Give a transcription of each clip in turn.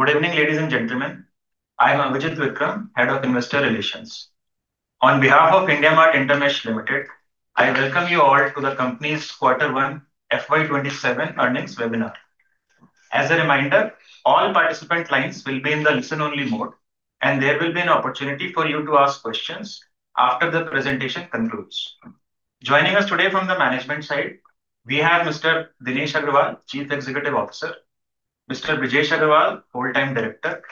Good evening, ladies and gentlemen. I'm Avijit Vikram, Head of Investor Relations. On behalf of IndiaMART InterMESH Limited, I welcome you all to the company's quarter one FY 2027 earnings webinar. As a reminder, all participant lines will be in the listen-only mode, and there will be an opportunity for you to ask questions after the presentation concludes. Joining us today from the management side, we have Mr. Dinesh Agarwal, Chief Executive Officer, Mr. Brijesh Agrawal, Whole-Time Director,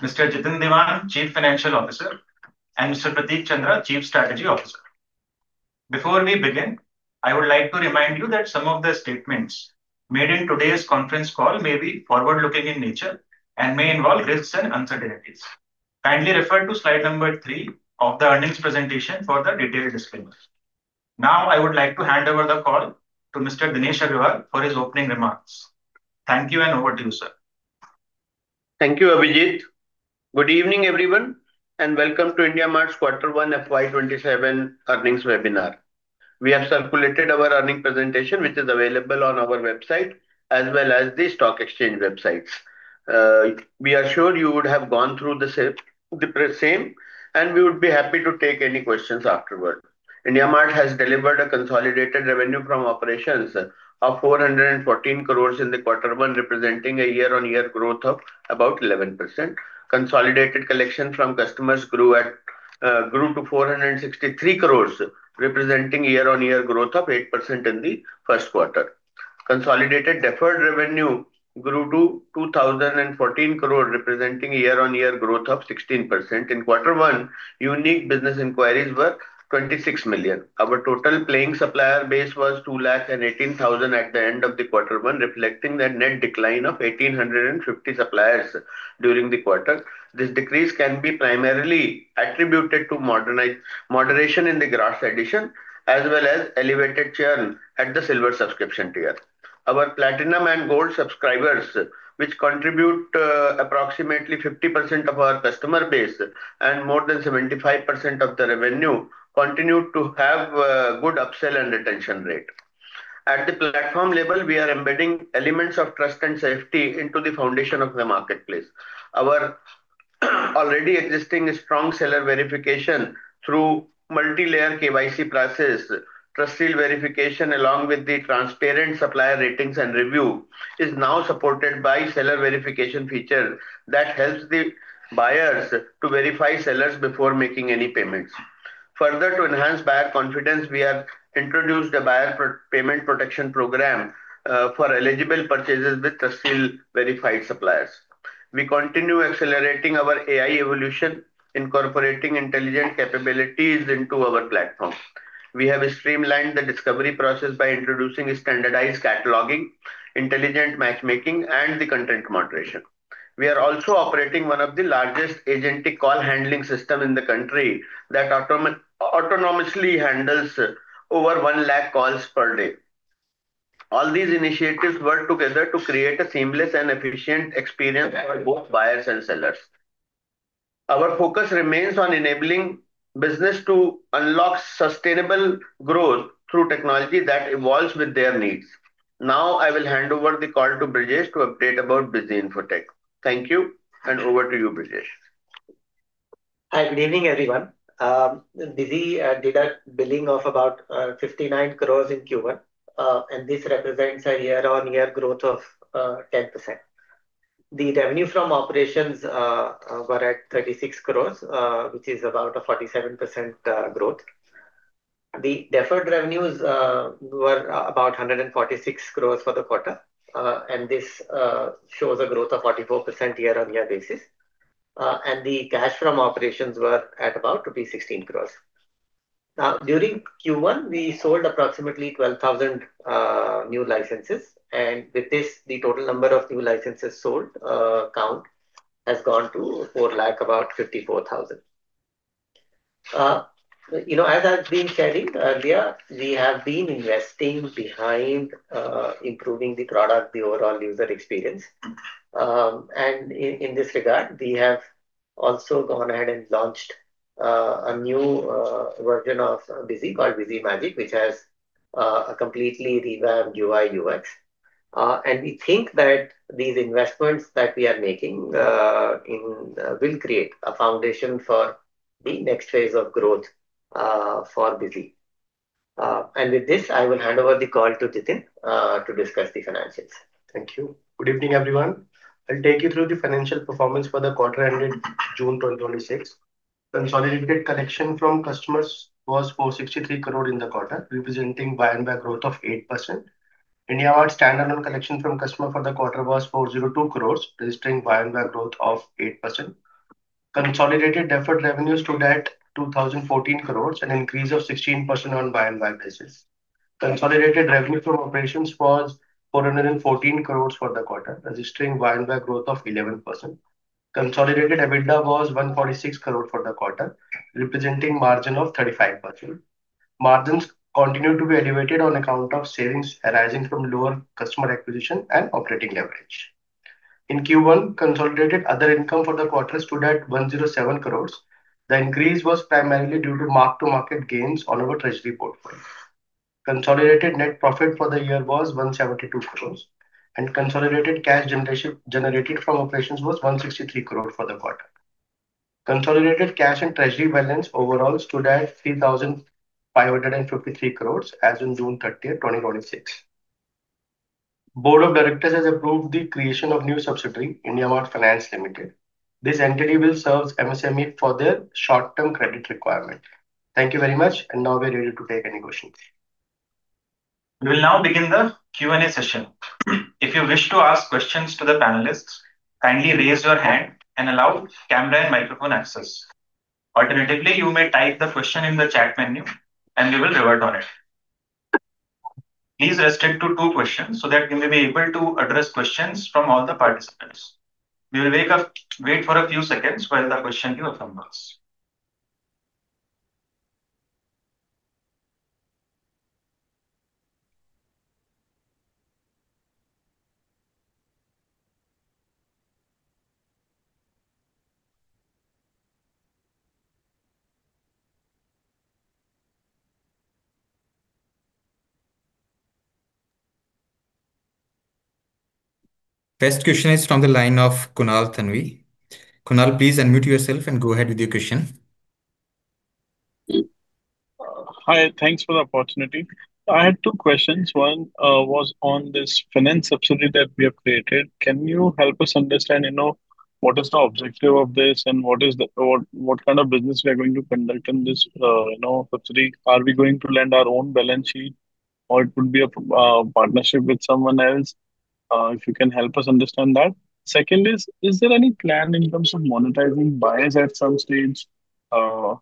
Mr. Jitin Diwan, Chief Financial Officer, and Mr. Prateek Chandra, Chief Strategy Officer. Before we begin, I would like to remind you that some of the statements made in today's conference call may be forward-looking in nature and may involve risks and uncertainties. Kindly refer to slide number three of the earnings presentation for the detailed disclaimer. I would like to hand over the call to Mr. Dinesh Agarwal for his opening remarks. Thank you, and over to you, sir. Thank you, Avijit. Good evening, everyone, and welcome to IndiaMART's quarter one FY 2027 earnings webinar. We have circulated our earnings presentation, which is available on our website as well as the stock exchange websites. We are sure you would have gone through the same. We would be happy to take any questions afterward. IndiaMART has delivered a consolidated revenue from operations of 414 crore in the quarter one, representing a year-on-year growth of about 11%. Consolidated collection from customers grew to 463 crore, representing year-on-year growth of 8% in the first quarter. Consolidated deferred revenue grew to 2,014 crore, representing year-on-year growth of 16%. In quarter one, unique business inquiries were 26 million. Our total paying supplier base was 218,000 at the end of the quarter one, reflecting the net decline of 1,850 suppliers during the quarter. This decrease can be primarily attributed to moderation in the gross addition as well as elevated churn at the Silver subscription tier. Our Platinum and Gold subscribers, which contribute approximately 50% of our customer base and more than 75% of the revenue, continue to have a good upsell and retention rate. At the platform level, we are embedding elements of trust and safety into the foundation of the marketplace. Our already existing strong seller verification through multi-layer KYC process, TrustSEAL verification, along with the transparent supplier ratings and reviews, is now supported by seller verification feature that helps the buyers to verify sellers before making any payments. Further, to enhance buyer confidence, we have introduced a buyer payment protection program for eligible purchases with TrustSEAL verified suppliers. We continue accelerating our AI evolution, incorporating intelligent capabilities into our platforms. We have streamlined the discovery process by introducing a standardized cataloging, intelligent matchmaking, and content moderation. We are also operating one of the largest agentic call handling system in the country that autonomously handles over 100,000 calls per day. All these initiatives work together to create a seamless and efficient experience for both buyers and sellers. Our focus remains on enabling business to unlock sustainable growth through technology that evolves with their needs. I will hand over the call to Brijesh to update about Busy Infotech. Thank you, and over to you, Brijesh. Hi. Good evening, everyone. BUSY did a billing of about 59 crore in Q1, this represents a year-on-year growth of 10%. The revenue from operations were at 36 crore, which is about a 47% growth. The deferred revenues were about 146 crore for the quarter, this shows a growth of 44% year-on-year basis. The cash from operations were at about rupees 216 crore. During Q1, we sold approximately 12,000 new licenses, and with this, the total number of new licenses sold count has gone to 454,000. As I've been sharing earlier, we have been investing behind improving the product, the overall user experience. In this regard, we have also gone ahead and launched a new version of BUSY called BUSY Magic, which has a completely revamped UI, UX. We think that these investments that we are making will create a foundation for the next phase of growth for BUSY. With this, I will hand over the call to Jitin to discuss the financials. Thank you. Good evening, everyone. I'll take you through the financial performance for the quarter ended June 2026. Consolidated collection from customers was 463 crore in the quarter, representing YoY growth of 8%. IndiaMART standalone collection from customer for the quarter was 402 crore, registering YoY growth of 8%. Consolidated deferred revenue stood at 2,014 crore, an increase of 16% on YoY basis. Consolidated revenue from operations was 414 crore for the quarter, registering YoY growth of 11%. Consolidated EBITDA was 146 crore for the quarter, representing margin of 35%. Margins continued to be elevated on account of savings arising from lower customer acquisition and operating leverage. In Q1, consolidated other income for the quarter stood at 107 crore. The increase was primarily due to mark-to-market gains on our treasury portfolio. Consolidated net profit for the year was 172 crore, and consolidated cash generated from operations was 163 crore for the quarter. Consolidated cash and treasury balance overall stood at 3,553 crore as in June 30, 2026. Board of directors has approved the creation of new subsidiary, IndiaMART Finance Limited. This entity will serve MSME for their short-term credit requirement. Thank you very much. Now we are ready to take any questions. We will now begin the Q&A session. If you wish to ask questions to the panelists, kindly raise your hand and allow camera and microphone access. Alternatively, you may type the question in the chat menu, and we will revert on it. Please restrict to two questions so that we may be able to address questions from all the participants. We will wait for a few seconds while the question queue forms. First question is from the line of Kunal Thanvi. Kunal, please unmute yourself and go ahead with your question. Hi. Thanks for the opportunity. I had two questions. One was on this finance subsidiary that we have created. Can you help us understand what is the objective of this, and what kind of business we are going to conduct in this subsidiary? Are we going to lend our own balance sheet, or it would be a partnership with someone else? If you can help us understand that. Second is there any plan in terms of monetizing buyers at some stage? A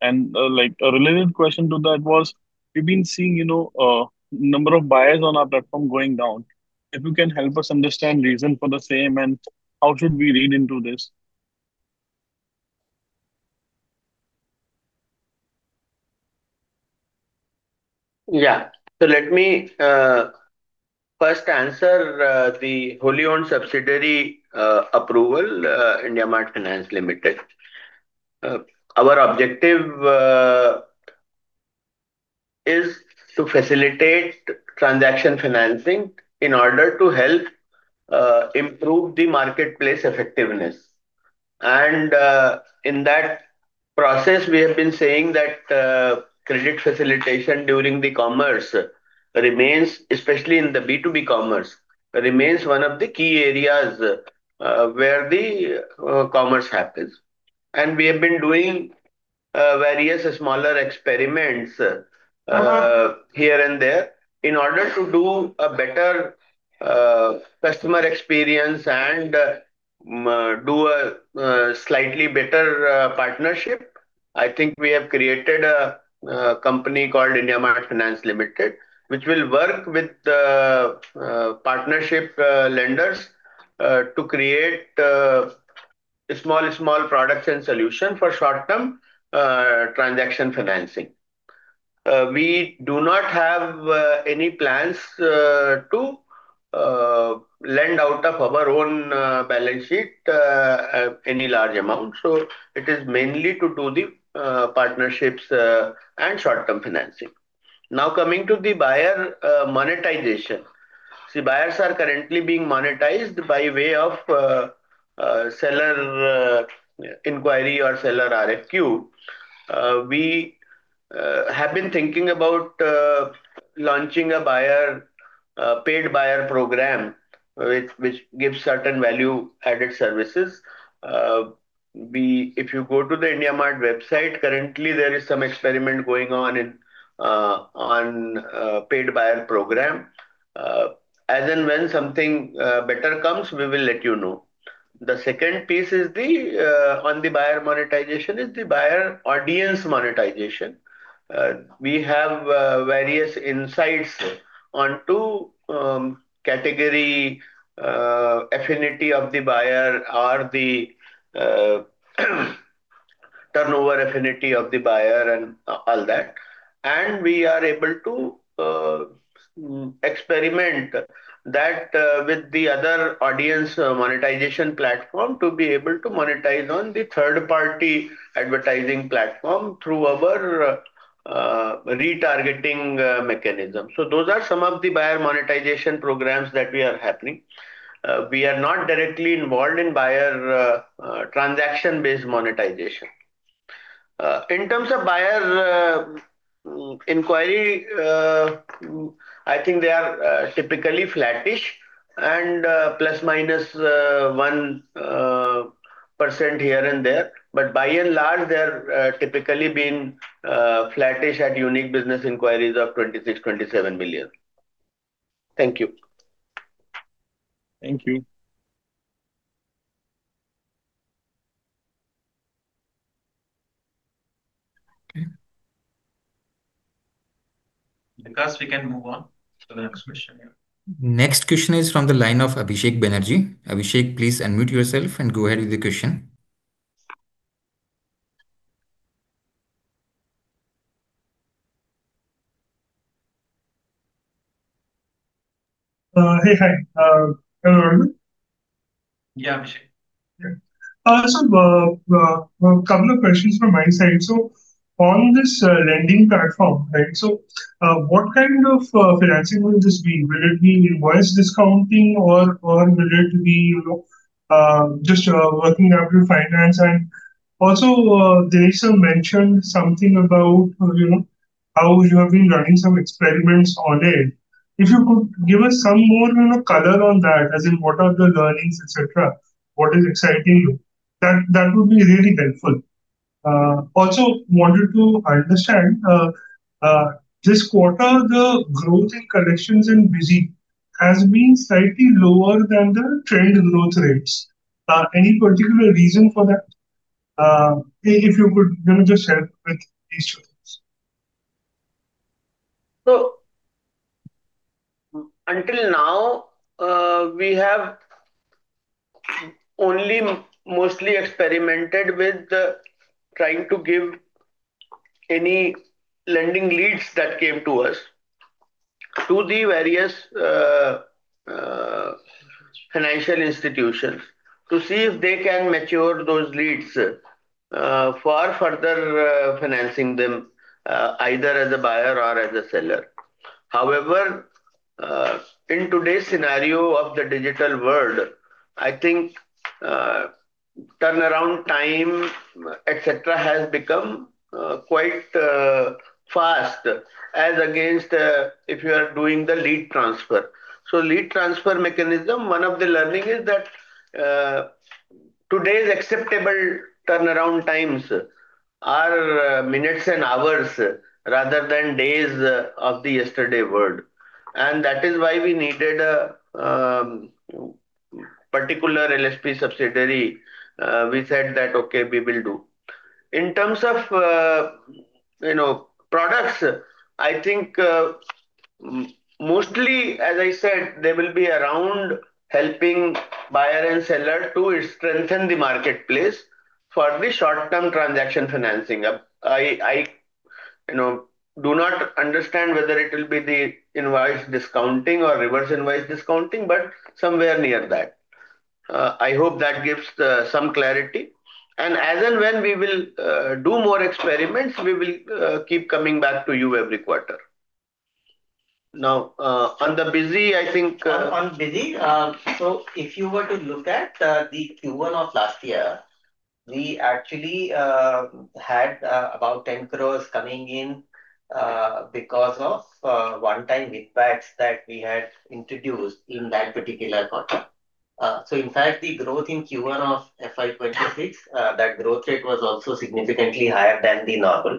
related question to that was, we have been seeing number of buyers on our platform going down. If you can help us understand reason for the same, and how should we read into this? Let me first answer the wholly owned subsidiary approval, IndiaMART Finance Limited. Our objective is to facilitate transaction financing in order to help improve the marketplace effectiveness. In that process, we have been saying that credit facilitation during the commerce, especially in the B2B commerce, remains one of the key areas where the commerce happens. We have been doing various smaller experiments here and there in order to do a better customer experience and do a slightly better partnership. I think we have created a company called IndiaMART Finance Limited, which will work with partnership lenders to create small products and solution for short-term transaction financing. We do not have any plans to lend out of our own balance sheet any large amount. It is mainly to do the partnerships and short-term financing. Now, coming to the buyer monetization. Buyers are currently being monetized by way of seller inquiry or seller RFQ. We have been thinking about launching a paid buyer program, which gives certain value-added services. If you go to the IndiaMART website, currently, there is some experiment going on paid buyer program. As and when something better comes, we will let you know. The second piece on the buyer monetization is the buyer audience monetization. We have various insights onto category affinity of the buyer or the turnover affinity of the buyer and all that. We are able to experiment that with the other audience monetization platform to be able to monetize on the third-party advertising platform through our retargeting mechanism. Those are some of the buyer monetization programs that we are happening. We are not directly involved in buyer transaction-based monetization. In terms of buyer inquiry, I think they are typically flattish and ±1% here and there. By and large, they're typically been flattish at unique business inquiries of 26, 27 million. Thank you. Thank you. Vikas, we can move on to the next question. Next question is from the line of Abhishek Banerjee. Abhishek, please unmute yourself and go ahead with the question. Hey, hi. Hello, am I audible? Yeah, Abhishek. Yeah. Couple of questions from my side. On this lending platform, right, what kind of financing will this be? Will it be invoice discounting or will it be just working capital finance? Also, there is mentioned something about how you have been running some experiments on it. If you could give us some more color on that, as in what are the learnings, et cetera, what is exciting you. That would be really helpful. Wanted to understand, this quarter, the growth in collections in BUSY has been slightly lower than the trend growth rates. Any particular reason for that? If you could, maybe just share with these two things. Until now, we have only mostly experimented with trying to give any lending leads that came to us to the various financial institutions to see if they can mature those leads for further financing them, either as a buyer or as a seller. However, in today's scenario of the digital world, I think turnaround time, et cetera, has become quite fast as against if you are doing the lead transfer. Lead transfer mechanism, one of the learning is that today's acceptable turnaround times are minutes and hours rather than days of the yesterday world. That is why we needed a particular LSP subsidiary. We said that, "Okay, we will do." In terms of products, I think, mostly, as I said, they will be around helping buyer and seller to strengthen the marketplace for the short-term transaction financing. I do not understand whether it will be the invoice discounting or reverse invoice discounting, but somewhere near that. I hope that gives some clarity. As and when we will do more experiments, we will keep coming back to you every quarter. Now, on the BUSY- On BUSY, if you were to look at the Q1 of last year, we actually had about 10 crore coming in because of one-time VIP ads that we had introduced in that particular quarter. In fact, the growth in Q1 of FY 2026, that growth rate was also significantly higher than the normal.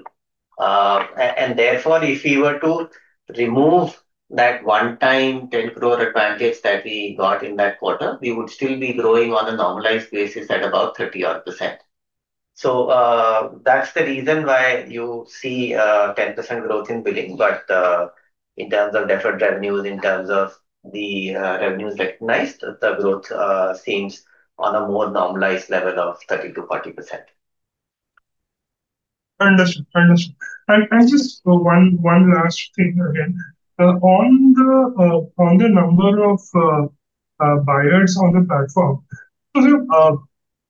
Therefore, if we were to remove that one-time 10 crore advantage that we got in that quarter, we would still be growing on a normalized basis at about odd 30%. That's the reason why you see 10% growth in billing. But in terms of deferred revenues, in terms of the revenues recognized, the growth seems on a more normalized level of 30%-40%. Understood. Just one last thing again. On the number of buyers on the platform.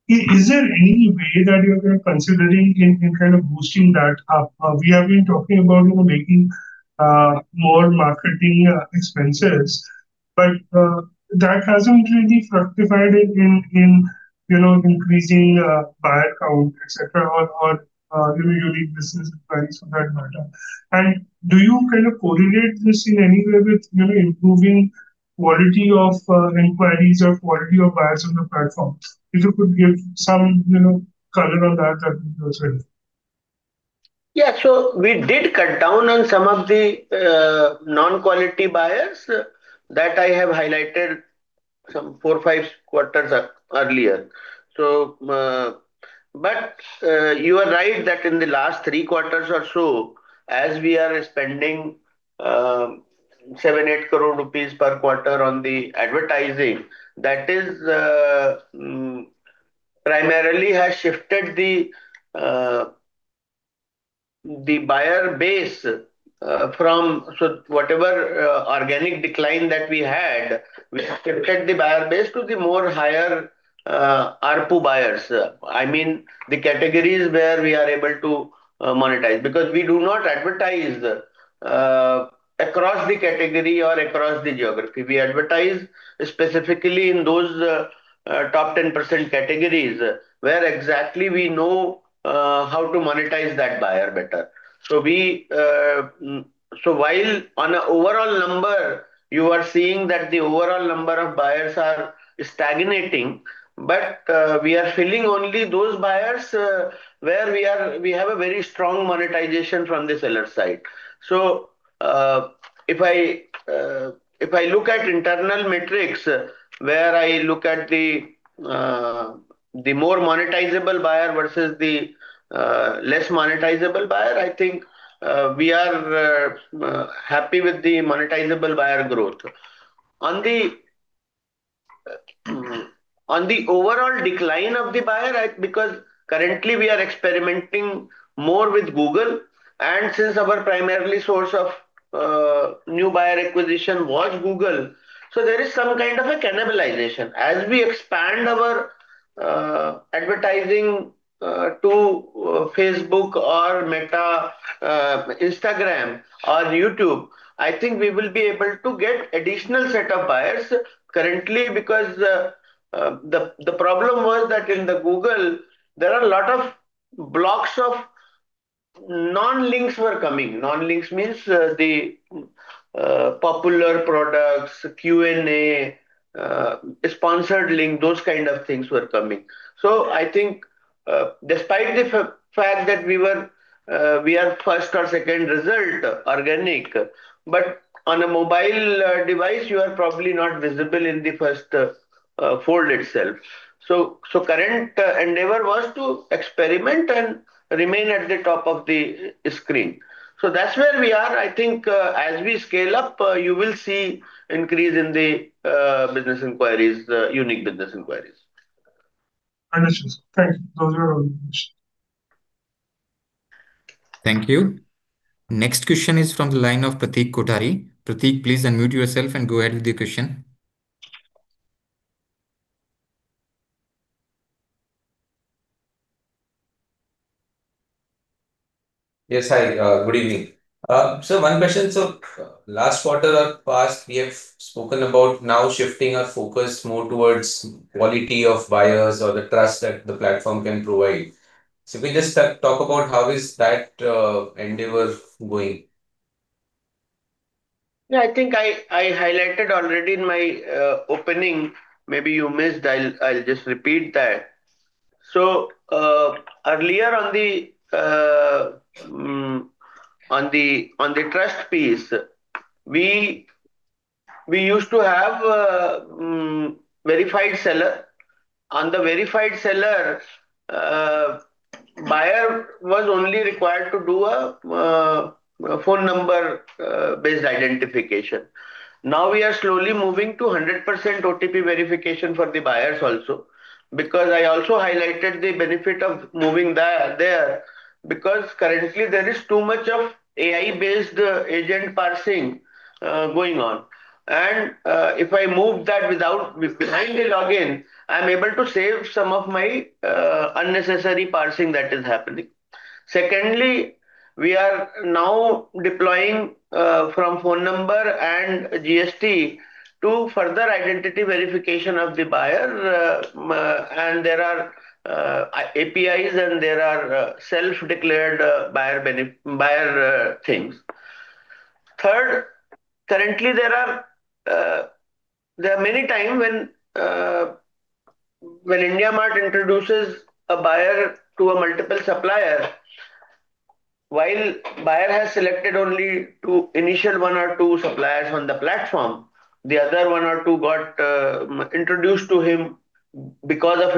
Is there any way that you have been considering in kind of boosting that up? We have been talking about making more marketing expenses, but that hasn't really fructified in increasing buyer count, et cetera, or your lead business inquiries for that matter. Do you kind of correlate this in any way with improving quality of inquiries or quality of buyers on the platform? If you could give some color on that would be helpful. Yeah. We did cut down on some of the non-quality buyers that I have highlighted some four, five quarters earlier. You are right that in the last three quarters or so, as we are spending 7 crore, 8 crore rupees per quarter on the advertising, that primarily has shifted the buyer base from whatever organic decline that we had. We have shifted the buyer base to the more higher ARPU buyers. I mean, the categories where we are able to monetize. Because we do not advertise across the category or across the geography. We advertise specifically in those top 10% categories where exactly we know how to monetize that buyer better. While on a overall number, you are seeing that the overall number of buyers are stagnating, we are filling only those buyers where we have a very strong monetization from the seller side. If I look at internal metrics where I look at the more monetizable buyer versus the less monetizable buyer, I think we are happy with the monetizable buyer growth. On the overall decline of the buyer, because currently we are experimenting more with Google, and since our primary source of new buyer acquisition was Google, there is some kind of a cannibalization. As we expand our advertising to Facebook or Meta, Instagram or YouTube, I think we will be able to get additional set of buyers. Because the problem was that in the Google, there are a lot of blocks of non-links were coming. Non-links means the popular products, Q&A, sponsored link, those kind of things were coming. I think despite the fact that we are first or second result organic, but on a mobile device, you are probably not visible in the first fold itself. Current endeavor was to experiment and remain at the top of the screen. That's where we are. I think as we scale up, you will see increase in the business inquiries, unique business inquiries. Understood. Thank you. Those are all the questions. Thank you. Next question is from the line of Pratik Kothari. Pratik, please unmute yourself and go ahead with your question. Yes, hi. Good evening. One question. Last quarter or past, we have spoken about now shifting our focus more towards quality of buyers or the trust that the platform can provide. If we just talk about how is that endeavor going. Yeah, I think I highlighted already in my opening. Maybe you missed, I will just repeat that. Earlier on the trust piece, we used to have a verified seller. On the verified seller, buyer was only required to do a phone number-based identification. Now we are slowly moving to 100% OTP verification for the buyers also. I also highlighted the benefit of moving that there, because currently there is too much of AI-based agent parsing going on. If I move that behind the login, I am able to save some of my unnecessary parsing that is happening. Secondly, we are now deploying from phone number and GST to further identity verification of the buyer. There are APIs and there are self-declared buyer things. Third, currently there are many time when IndiaMART introduces a buyer to a multiple supplier. While buyer has selected only initial one or two suppliers on the platform, the other one or two got introduced to him because of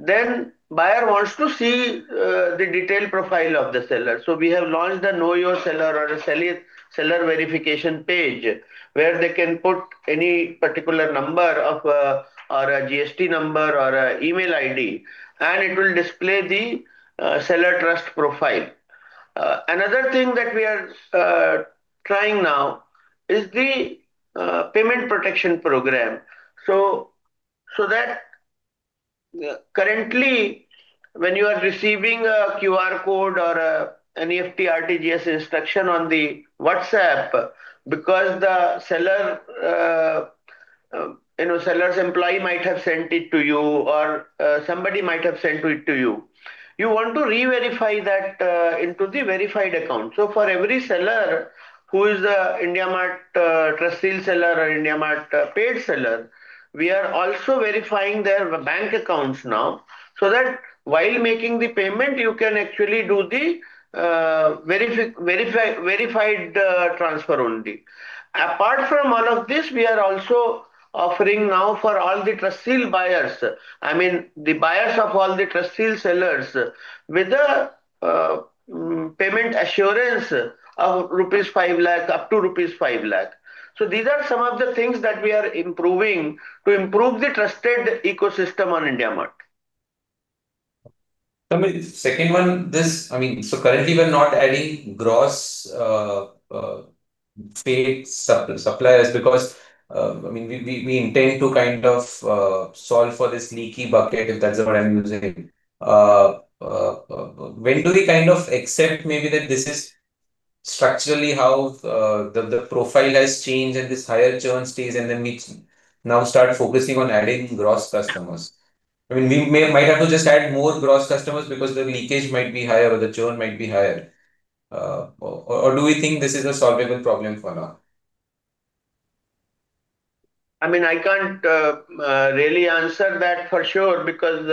IndiaMART. Buyer wants to see the detailed profile of the seller. We have launched the know your seller or seller verification page where they can put any particular number or a GST number or an email ID, and it will display the seller trust profile. Another thing that we are trying now is the payment protection program. That currently when you are receiving a QR code or a NEFT RTGS instruction on the WhatsApp, because the seller's employee might have sent it to you or somebody might have sent it to you. You want to re-verify that into the verified account. For every seller who is a IndiaMART TrustSeal seller or IndiaMART paid seller, we are also verifying their bank accounts now, so that while making the payment, you can actually do the verified transfer only. Apart from all of this, we are also offering now for all the TrustSeal buyers, I mean, the buyers of all the TrustSeal sellers with the payment assurance of rupees five lakh, up to rupees five lakh. These are some of the things that we are improving to improve the trusted ecosystem on IndiaMART. Second one, currently we're not adding gross paid suppliers because we intend to kind of solve for this leaky bucket, if that's the word I'm using. When do we kind of accept maybe that this is structurally how the profile has changed and this higher churn stays, we now start focusing on adding gross customers? We might have to just add more gross customers because the leakage might be higher or the churn might be higher. Do we think this is a solvable problem for now? I can't really answer that for sure because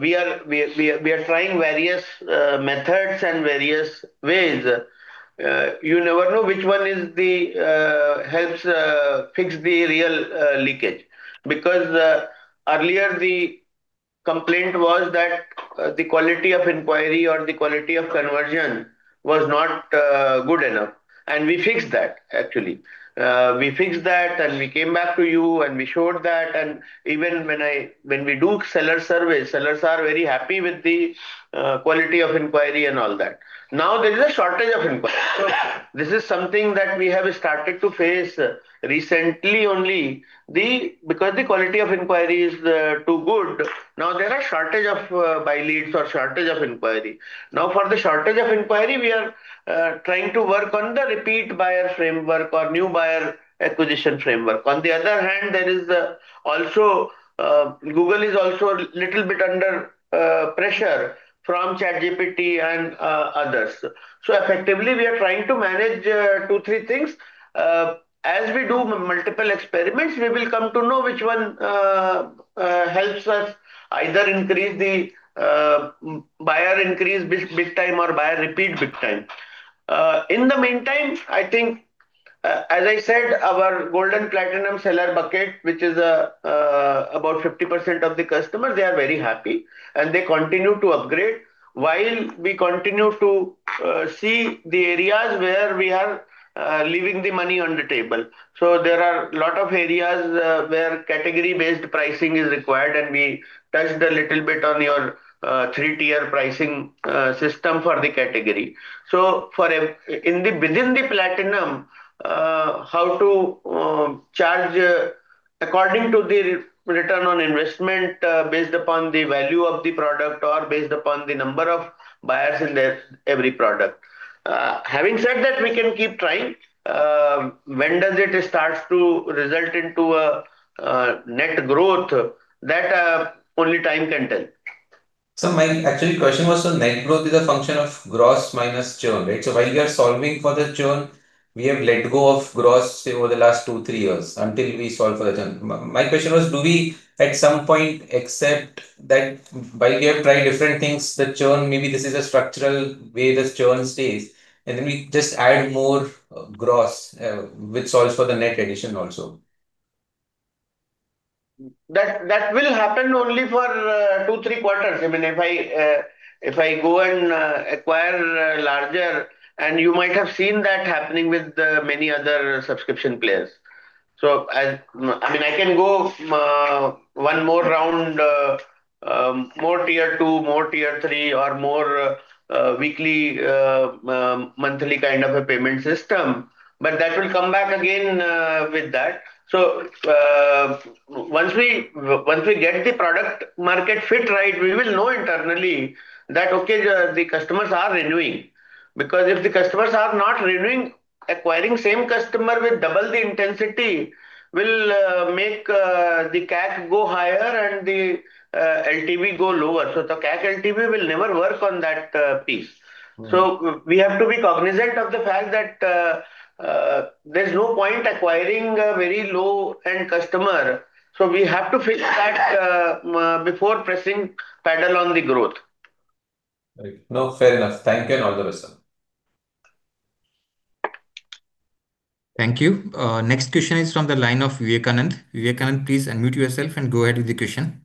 we are trying various methods and various ways. You never know which one helps fix the real leakage. Earlier the complaint was that the quality of inquiry or the quality of conversion was not good enough, and we fixed that, actually. We fixed that, we came back to you, and we showed that. Even when we do seller surveys, sellers are very happy with the quality of inquiry and all that. There is a shortage of inquiry. This is something that we have started to face recently only. The quality of inquiry is too good, now there are shortage of buy leads or shortage of inquiry. For the shortage of inquiry, we are trying to work on the repeat buyer framework or new buyer acquisition framework. On the other hand, Google is also a little bit under pressure from ChatGPT and others. Effectively, we are trying to manage two, three things. As we do multiple experiments, we will come to know which one helps us either increase the buyer increase big time or buyer repeat big time. In the meantime, I think, as I said, our golden platinum seller bucket, which is about 50% of the customers, they are very happy, and they continue to upgrade while we continue to see the areas where we are leaving the money on the table. There are a lot of areas where category-based pricing is required, and we touched a little bit on your three-tier pricing system for the category. Within the platinum, how to charge according to the return on investment based upon the value of the product or based upon the number of buyers in every product. Having said that, we can keep trying. When does it start to result into a net growth? That, only time can tell. My actual question was, net growth is a function of gross minus churn, right? While we are solving for the churn, we have let go of gross over the last two, three years until we solve for the churn. My question was, do we at some point accept that while we have tried different things, the churn, maybe this is a structural way this churn stays, and then we just add more gross, which solves for the net addition also? That will happen only for two, three quarters. If I go and acquire larger, and you might have seen that happening with many other subscription players. I can go one more round, more Tier-2, more Tier-3, or more weekly, monthly kind of a payment system, but that will come back again with that. Once we get the product market fit right, we will know internally that, okay, the customers are renewing. Because if the customers are not renewing, acquiring same customer with double the intensity will make the CAC go higher and the LTV go lower. The CAC LTV will never work on that piece. We have to be cognizant of the fact that there's no point acquiring a very low-end customer. We have to fix that before pressing pedal on the growth. Right. No, fair enough. Thank you and all the best, sir. Thank you. Next question is from the line of Vivek Anand. Vivek Anand, please unmute yourself and go ahead with the question.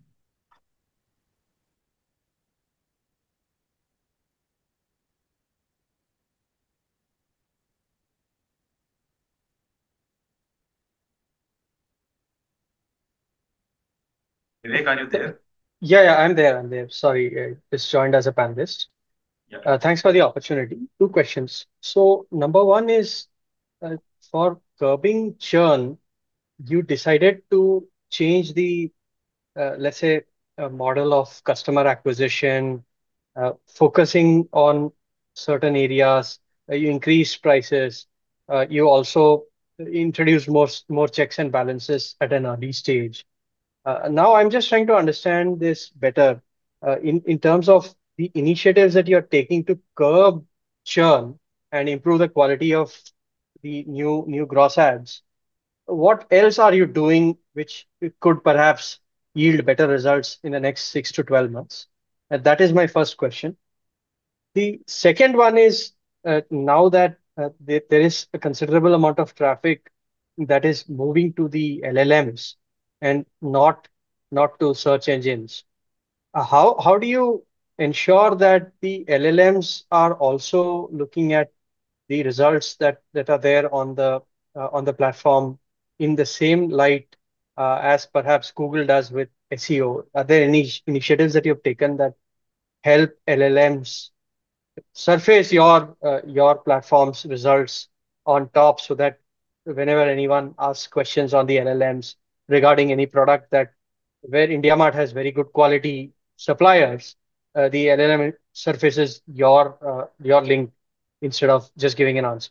Vivek, are you there? Yeah. I'm there. Sorry. Just joined as a panelist. Yeah. Thanks for the opportunity. Two questions. Number one is, for curbing churn, you decided to change the, let's say, model of customer acquisition, focusing on certain areas, you increased prices, you also introduced more checks and balances at an early stage. Now I'm just trying to understand this better. In terms of the initiatives that you're taking to curb churn and improve the quality of the new gross adds, what else are you doing which could perhaps yield better results in the next 6-12 months? That is my first question. The second one is, now that there is a considerable amount of traffic that is moving to the LLMs and not to search engines, how do you ensure that the LLMs are also looking at the results that are there on the platform in the same light as perhaps Google does with SEO? Are there any initiatives that you have taken that help LLMs surface your platform's results on top so that whenever anyone asks questions on the LLMs regarding any product where IndiaMART has very good quality suppliers, the LLM surfaces your link instead of just giving an answer?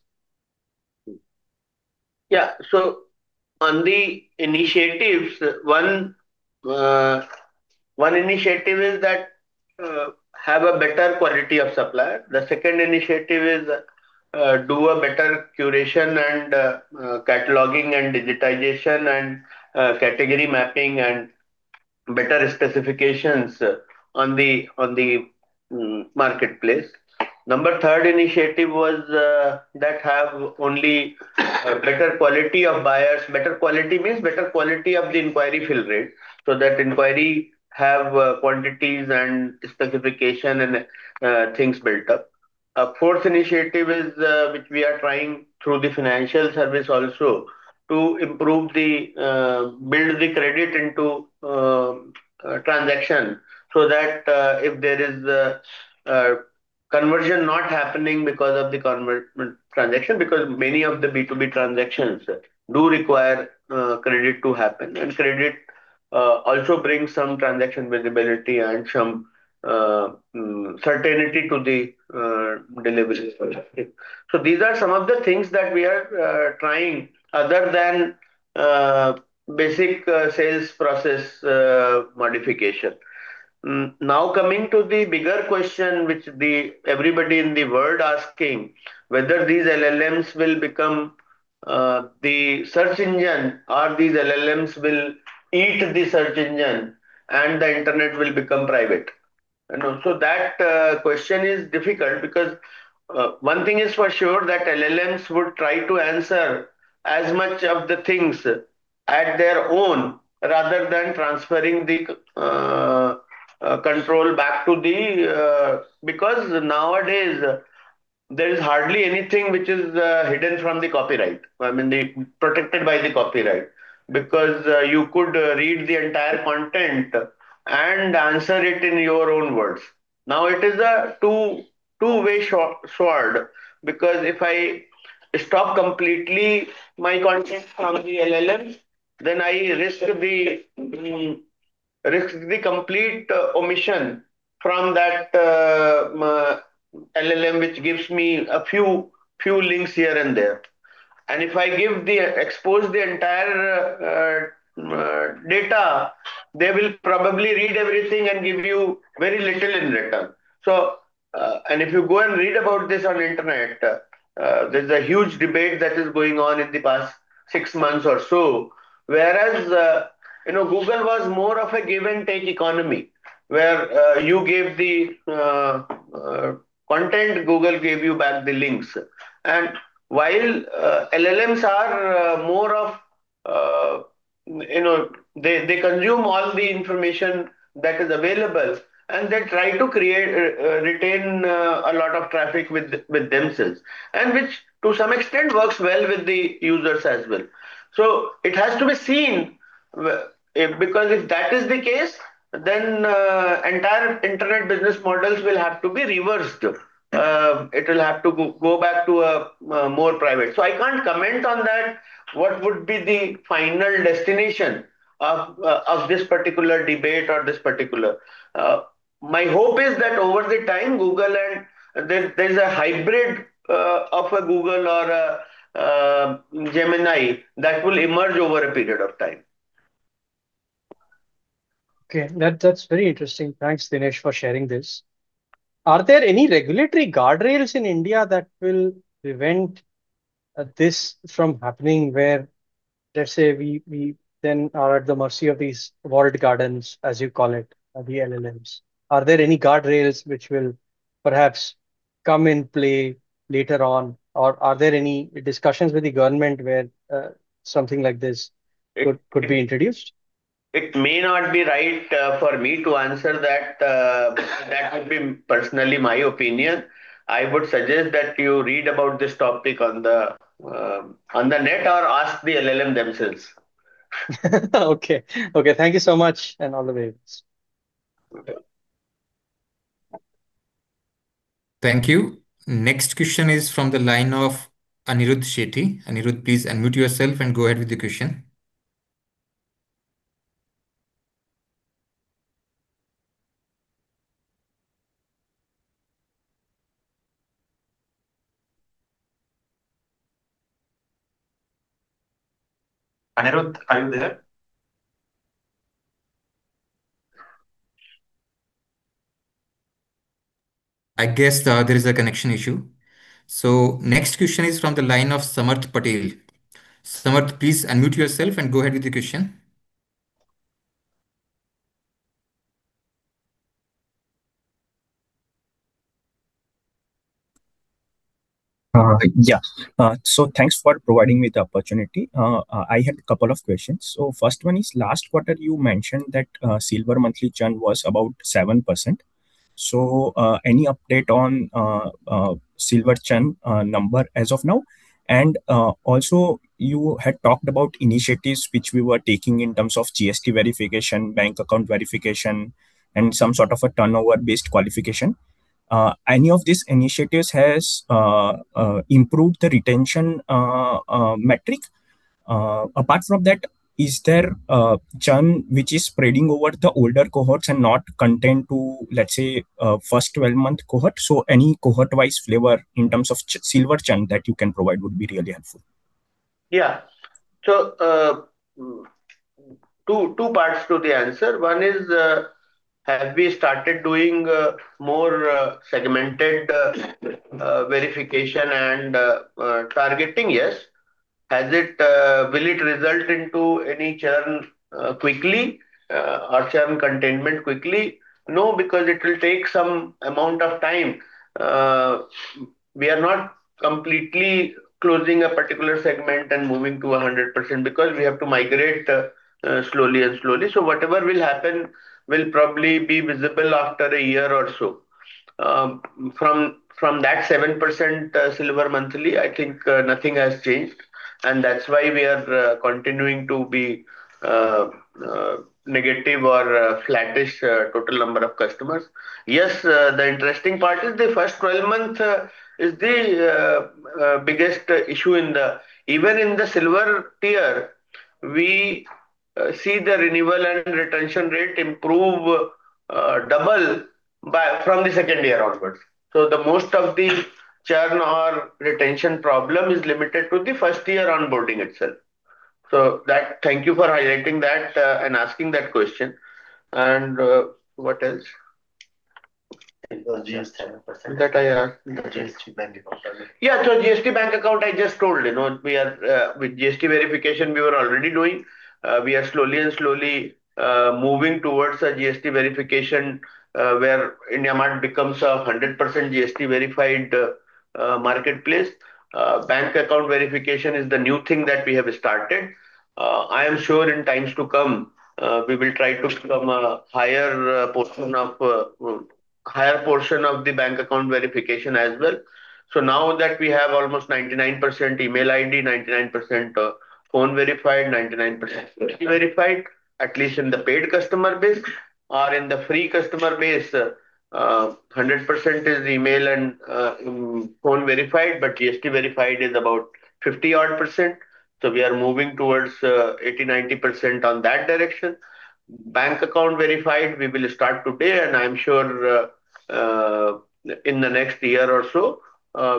Yeah. On the initiatives, one initiative is that have a better quality of supplier. The second initiative is do a better curation and cataloging and digitization and category mapping and better specifications on the marketplace. Number third initiative was that have only better quality of buyers. Better quality means better quality of the inquiry fill rate, so that inquiry have quantities and specification and things built up. Fourth initiative is which we are trying through the financial service also to build the credit into transaction so that if there is conversion not happening because of the transaction, because many of the B2B transactions do require credit to happen. Credit also brings some transaction visibility and some certainty to the deliveries perspective. These are some of the things that we are trying other than basic sales process modification. Coming to the bigger question, which everybody in the world asking, whether these LLMs will become the search engine or these LLMs will eat the search engine and the internet will become private. Also that question is difficult because one thing is for sure that LLMs would try to answer as much of the things at their own rather than transferring the control. Because nowadays there is hardly anything which is hidden from the copyright. I mean, protected by the copyright. You could read the entire content and answer it in your own words. It is a two-way sword, because if I stop completely my content from the LLM, then I risk the complete omission from that LLM, which gives me a few links here and there. If I expose the entire data, they will probably read everything and give you very little in return. If you go and read about this on internet, there's a huge debate that is going on in the past six months or so, whereas Google was more of a give and take economy, where you gave the content, Google gave you back the links. They consume all the information that is available, and they try to retain a lot of traffic with themselves, and which to some extent works well with the users as well. It has to be seen, because if that is the case, then entire internet business models will have to be reversed. It will have to go back to more private. I can't comment on that, what would be the final destination of this particular debate. My hope is that over the time, there's a hybrid of a Google or a Gemini that will emerge over a period of time. Okay. That's very interesting. Thanks, Dinesh, for sharing this. Are there any regulatory guardrails in India that will prevent this from happening, where, let's say, we then are at the mercy of these walled gardens, as you call it, the LLMs? Are there any guardrails which will perhaps come in play later on, or are there any discussions with the government where something like this could be introduced? It may not be right for me to answer that. That would be personally my opinion. I would suggest that you read about this topic on the net or ask the LLM themselves. Okay. Thank you so much, and all the best. Okay. Thank you. Next question is from the line of Anirudh Sethi. Anirudh, please unmute yourself and go ahead with the question. Anirudh, are you there? I guess there is a connection issue. Next question is from the line of Samarth Patel. Samarth, please unmute yourself and go ahead with the question. Thanks for providing me the opportunity. I had a couple of questions. First one is, last quarter you mentioned that silver monthly churn was about 7%. Any update on silver churn number as of now? Also you had talked about initiatives which we were taking in terms of GST verification, bank account verification, and some sort of a turnover-based qualification. Any of these initiatives has improved the retention metric? Apart from that, is there churn which is spreading over the older cohorts and not contained to, let's say, first 12-month cohort? Any cohort-wise flavor in terms of silver churn that you can provide would be really helpful. Yeah. Two parts to the answer. One is, have we started doing more segmented verification and targeting? Yes. Will it result into any churn quickly or churn containment quickly? No, because it will take some amount of time. We are not completely closing a particular segment and moving to 100% because we have to migrate slowly and slowly. Whatever will happen will probably be visible after a year or so. From that 7% silver monthly, I think nothing has changed, and that's why we are continuing to be negative or flattish total number of customers. Yes, the interesting part is the first 12 months is the biggest issue. Even in the silver tier, we see the renewal and retention rate improve double from the second year onwards. Most of the churn or retention problem is limited to the first-year onboarding itself. Thank you for highlighting that and asking that question. What else? It was just 10%. That I- The GST bank account. Yeah. GST bank account, I just told you. With GST verification, we were already doing. We are slowly and slowly moving towards a GST verification, where IndiaMART becomes 100% GST-verified marketplace. Bank account verification is the new thing that we have started. I am sure in times to come, we will try to become a higher portion of the bank account verification as well. Now that we have almost 99% email ID, 99% phone verified, 99% GST verified, at least in the paid customer base. In the free customer base, 100% is email and phone verified, but GST verified is about 50-odd%. We are moving towards 80%, 90% on that direction. Bank account verified, we will start today, and I am sure in the next year or so,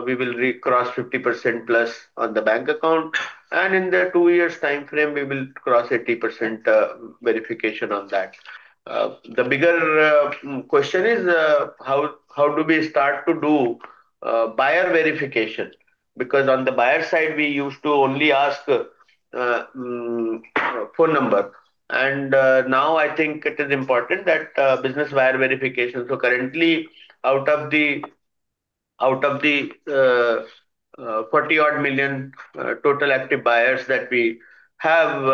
we will recross 50% plus on the bank account. In the two years timeframe, we will cross 80% verification on that. The bigger question is how do we start to do buyer verification? Because on the buyer side, we used to only ask phone number. Now I think it is important that business buyer verification. Currently, out of the 40-odd million total active buyers that we have,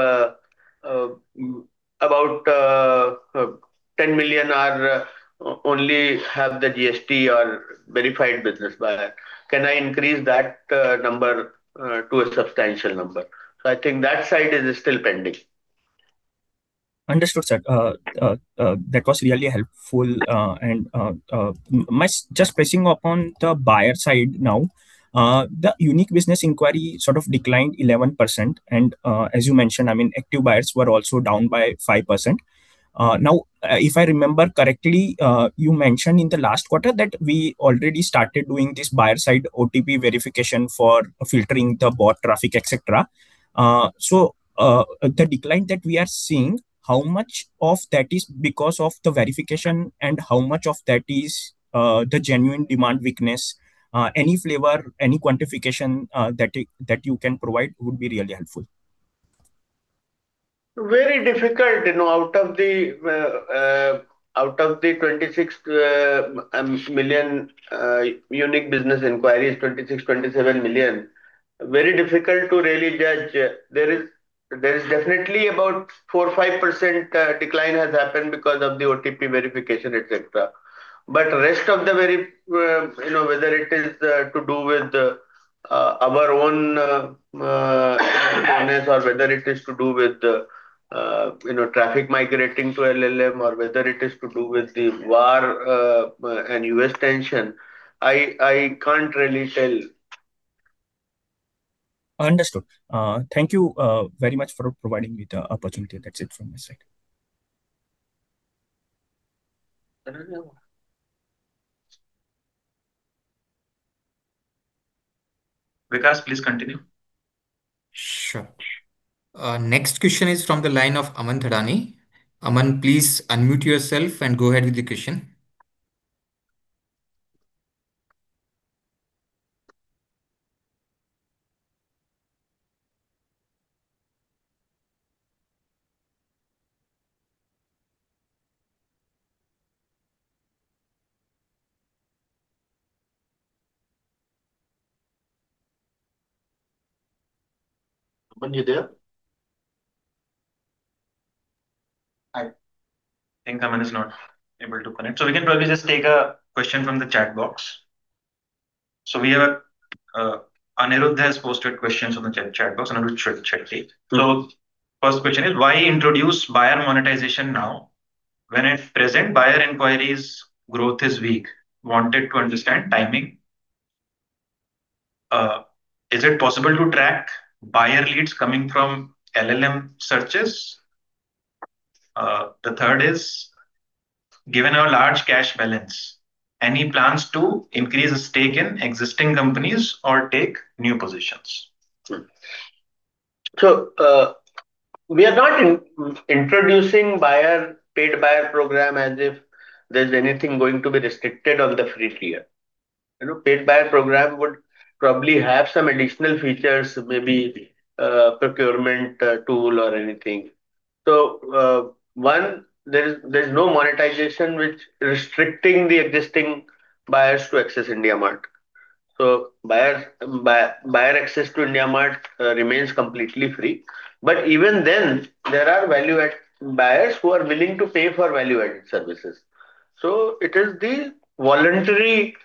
about 10 million only have the GST or verified business buyer. Can I increase that number to a substantial number? I think that side is still pending. Understood, sir. That was really helpful. Just pressing upon the buyer side now. The unique business inquiry sort of declined 11%, and as you mentioned, active buyers were also down by 5%. Now, if I remember correctly, you mentioned in the last quarter that we already started doing this buyer side OTP verification for filtering the bot traffic, et cetera. The decline that we are seeing, how much of that is because of the verification, and how much of that is the genuine demand weakness? Any flavor, any quantification that you can provide would be really helpful. Very difficult. Out of the 26 million unique business inquiries, 26, 27 million, very difficult to really judge. There is definitely about 4%, 5% decline has happened because of the OTP verification, et cetera. Rest of the whether it is to do with our own or whether it is to do with traffic migrating to LLM, or whether it is to do with the war and U.S. tension, I can't really tell. Understood. Thank you very much for providing me the opportunity. That's it from my side. Vikas, please continue. Sure. Next question is from the line of Aman Dhirani. Aman, please unmute yourself and go ahead with the question. Aman, you there? I think Aman is not able to connect. We can probably just take a question from the chat box. Aniruddha Chatterjee has posted questions on the chat box. First question is, why introduce buyer monetization now when at present buyer inquiries growth is weak? Wanted to understand timing. Is it possible to track buyer leads coming from LLM searches? The third is, given our large cash balance, any plans to increase the stake in existing companies or take new positions? Sure. We are not introducing paid buyer program as if there's anything going to be restricted on the free tier. Paid buyer program would probably have some additional features, maybe procurement tool or anything. One, there's no monetization which restricting the existing buyers to access IndiaMART. Buyer access to IndiaMART remains completely free. Even then, there are buyers who are willing to pay for value-added services. It is the voluntary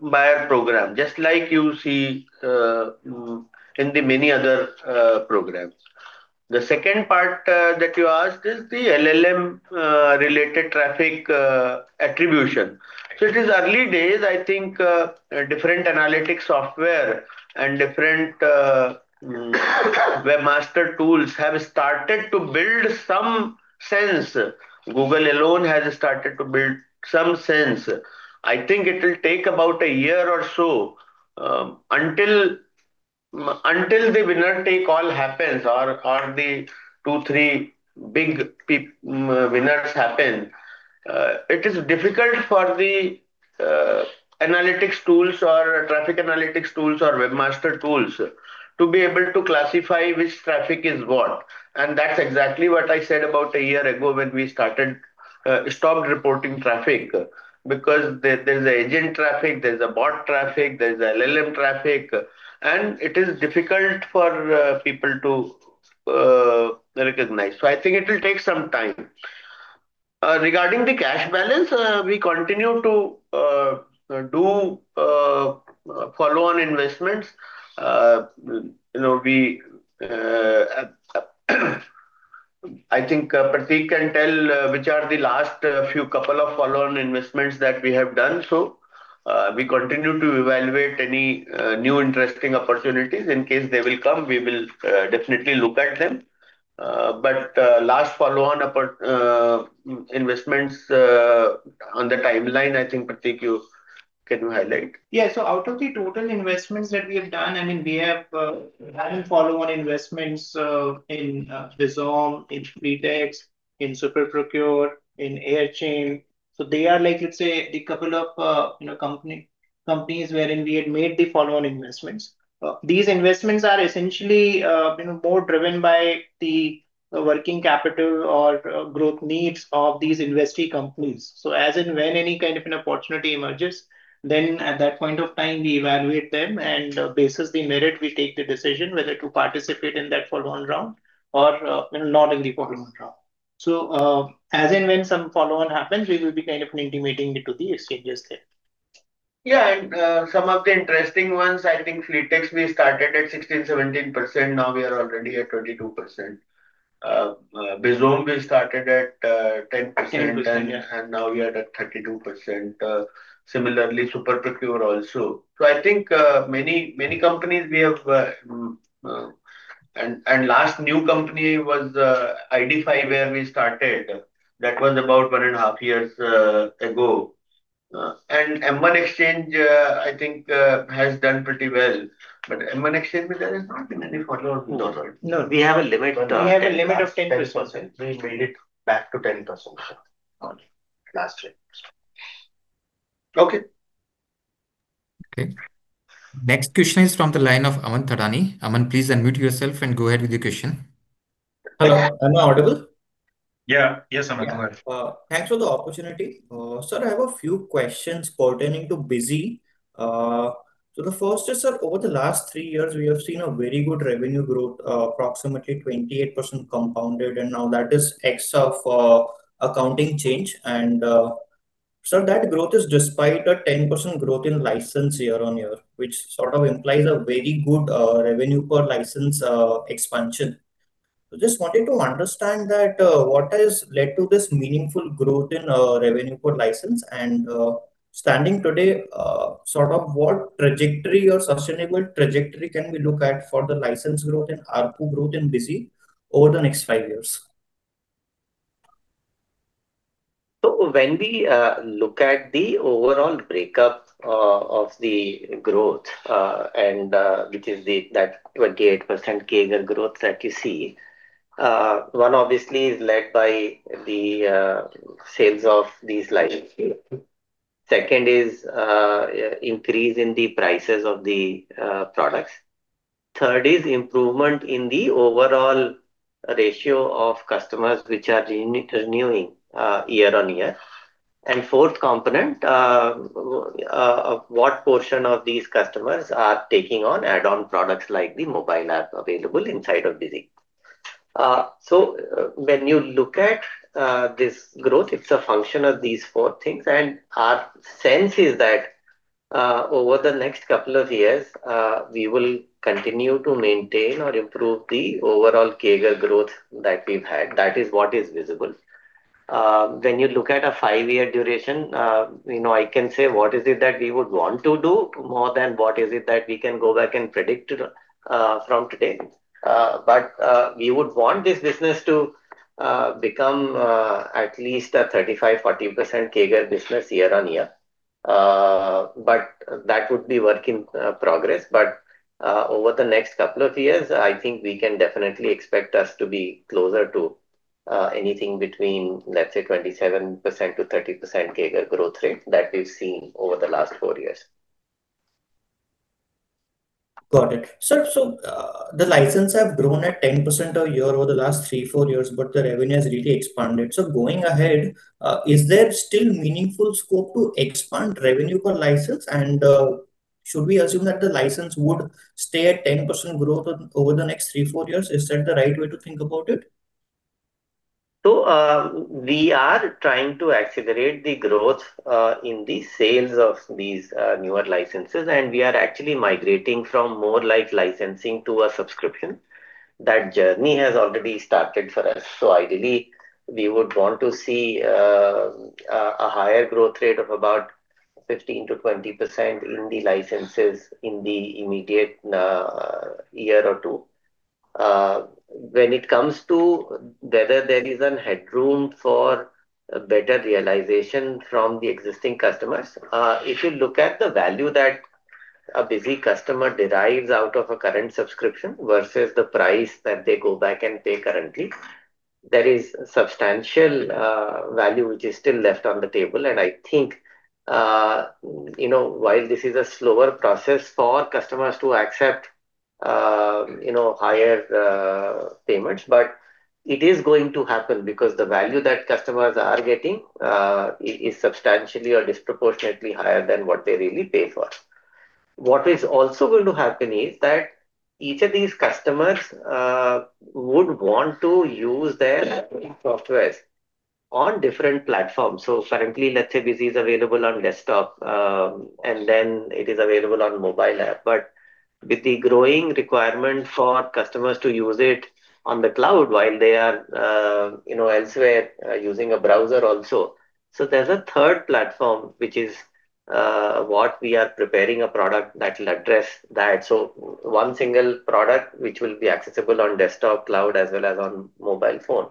buyer program, just like you see in the many other programs. The second part that you asked is the LLM-related traffic attribution. It is early days. I think different analytics software and different webmaster tools have started to build some sense. Google alone has started to build some sense. I think it will take about a year or so until the winner take all happens or the two, three big winners happen. It is difficult for the analytics tools or traffic analytics tools or webmaster tools to be able to classify which traffic is what. That's exactly what I said about a year ago when we stopped reporting traffic, because there's agent traffic, there's bot traffic, there's LLM traffic, and it is difficult for people to recognize. I think it will take some time. Regarding the cash balance, we continue to do follow-on investments. I think Prateek can tell which are the last few couple of follow-on investments that we have done. We continue to evaluate any new interesting opportunities. In case they will come, we will definitely look at them. Last follow-on investments on the timeline, I think, Prateek, you can highlight. Yeah. Out of the total investments that we have done, we have had follow-on investments in Bizom, in Fleetx, in SuperProcure, in Aerchain. They are, let's say, the couple of companies wherein we had made the follow-on investments. These investments are essentially more driven by the working capital or growth needs of these investee companies. As and when any kind of an opportunity emerges, then at that point of time, we evaluate them and basis the merit, we take the decision whether to participate in that follow-on round or not in the follow-on round. As and when some follow-on happens, we will be intimating it to the exchanges then. Yeah. Some of the interesting ones, I think Fleetx, we started at 16%, 17%. Now we are already at 22%. Bizom, we started at 10%- 10%, yeah. Now we are at 32%. Similarly, SuperProcure also. I think many companies we have Last new company was IDfy where we started. That was about one and a half years ago. M1xchange, I think has done pretty well. M1xchange, there has not been any follow-on. No. We have a limit of 10%. We have a limit of 10%. We made it back to 10%. Got it. Last year. Okay. Okay. Next question is from the line of Aman Thadani. Aman, please unmute yourself and go ahead with your question. Hello. Am I audible? Yeah. Yes, Aman, go ahead. Thanks for the opportunity. Sir, I have a few questions pertaining to Bizom. The first is, sir, over the last three years, we have seen a very good revenue growth, approximately 28% compounded, and now that is ex of accounting change. Sir, that growth is despite a 10% growth in license year-on-year, which sort of implies a very good revenue per license expansion. Just wanting to understand that what has led to this meaningful growth in revenue per license, and standing today, sort of what trajectory or sustainable trajectory can we look at for the license growth and ARPU growth in Bizom over the next five years? When we look at the overall breakup of the growth, which is that 28% CAGR growth that you see, one obviously is led by the sales of these licenses. Second is increase in the prices of the products. Third is improvement in the overall ratio of customers which are renewing year-on-year. Fourth component, what portion of these customers are taking on add-on products like the mobile app available inside of BUSY. When you look at this growth, it is a function of these four things. Our sense is that over the next couple of years, we will continue to maintain or improve the overall CAGR growth that we've had. That is what is visible. When you look at a five-year duration, I can say what is it that we would want to do more than what is it that we can go back and predict from today. We would want this business to become at least a 35%-40% CAGR business year-on-year. That would be work in progress. Over the next couple of years, I think we can definitely expect us to be closer to anything between, let's say, 27%-30% CAGR growth rate that we've seen over the last four years. Got it. Sir, the license have grown at 10% a year over the last three, four years, the revenue has really expanded. Going ahead, is there still meaningful scope to expand revenue per license? Should we assume that the license would stay at 10% growth over the next three, four years? Is that the right way to think about it? We are trying to accelerate the growth in the sales of these newer licenses, we are actually migrating from more like licensing to a subscription. That journey has already started for us. Ideally, we would want to see a higher growth rate of about 15%-20% in the licenses in the immediate year or two. When it comes to whether there is a headroom for better realization from the existing customers, if you look at the value that a BUSY customer derives out of a current subscription versus the price that they go back and pay currently, there is substantial value which is still left on the table. While this is a slower process for customers to accept higher payments, it is going to happen because the value that customers are getting is substantially or disproportionately higher than what they really pay for. What is also going to happen is that each of these customers would want to use their softwares on different platforms. Currently, let's say, BUSY is available on desktop, and then it is available on mobile app. With the growing requirement for customers to use it on the cloud while they are elsewhere using a browser also. There's a third platform, which is what we are preparing a product that will address that. One single product which will be accessible on desktop, cloud, as well as on mobile phone.